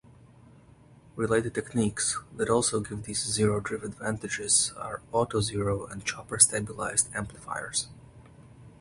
Related techniques that also give these zero-drift advantages are auto-zero and chopper-stabilized amplifiers.